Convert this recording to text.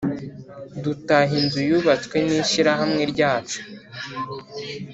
Dutaha inzu yubatswe n’ishyirahamwe ryacu